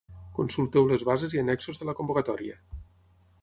Consulteu les bases i annexos de la convocatòria.